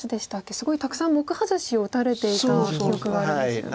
すごいたくさん目外しを打たれていた記憶がありますよね。